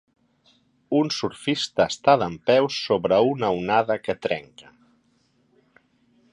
Un surfista està dempeus sobre una onada que trenca.